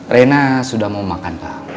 rena sudah mau makan pak